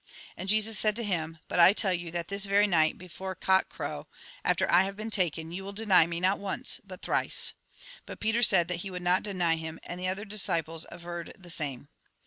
And Jesus said to him :" But I tell you that this very night, before cock crow, after I have been taken, you will deny me, not once, but thrice." But Peter said that he would not deny him ; and the other disciples averred the same.